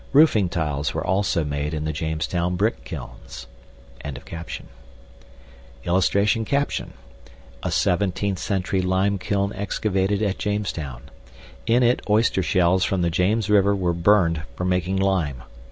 ROOFING TILES WERE ALSO MADE IN THE JAMESTOWN BRICK KILNS.] [Illustration: A 17TH CENTURY LIME KILN EXCAVATED AT JAMESTOWN. IN IT OYSTER SHELLS FROM THE JAMES RIVER WERE BURNED FOR MAKING LIME.